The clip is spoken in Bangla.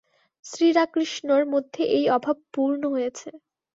শ্রীরাকৃষ্ণের মধ্যে এই অভাব পূর্ণ হয়েছে।